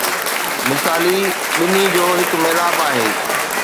مثالي ٻنهي جو هڪ ميلاپ آهي.